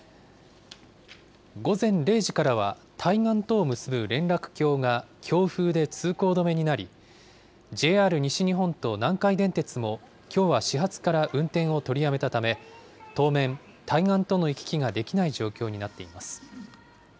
午前０時からは、対岸とを結ぶ連絡橋が強風で通行止めになり、ＪＲ西日本と南海電鉄も、きょうは始発から運転を取りやめたため、当面、対岸との行き来ができない状況になっています。